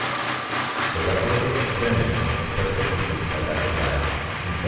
The requisite experiments were first attempted by Dr. Black, in 1764.